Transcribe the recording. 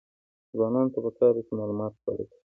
ځوانانو ته پکار ده چې، معلومات خپاره کړي.